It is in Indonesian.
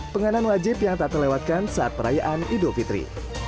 penganan wajib yang tak terlewatkan saat perayaan idul fitri